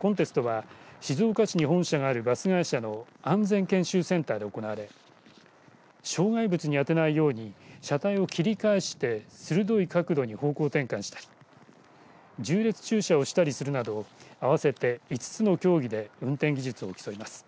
コンテストは静岡市に本社があるバス会社の安全研修センターで行われ障害物に当てないように車体を切り返して鋭い角度に方向転換したり縦列駐車をしたりするなど合わせて５つの競技で運転技術を競います。